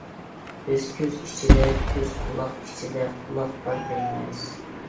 بىز« كۆز ئىچىدە كۆز، قۇلاق ئىچىدە قۇلاق بار» دەيمىز.